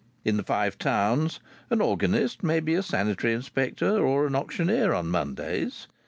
In the Five Towns an organist may be a sanitary inspector or an auctioneer on Mondays.